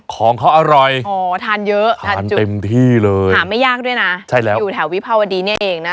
ของเขาอร่อยโหทานเยอะทานเต็มที่เลยหาไม่ยากด้วยนะใช่แล้วอยู่แถววิภาวดีเนี่ยเองนะ